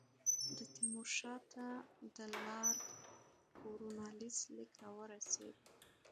د تیمور شاه ته د لارډ کورنوالیس لیک را ورسېد.